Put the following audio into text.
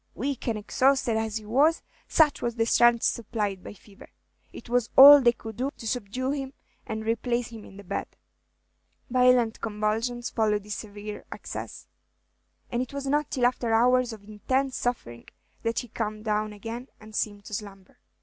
Weak and exhausted as he was, such was the strength supplied by fever, it was all that they could do to subdue him and replace him in the bed; violent convulsions followed this severe access, and it was not till after hours of intense suffering that he calmed down again and seemed to slumber.